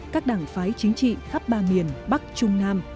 các đảng phái chính trị khắp ba miền bắc trung nam